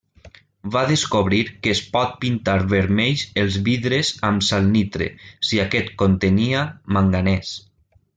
Va descobrir que es pot pintar vermells els vidres amb salnitre, si aquest contenia manganès.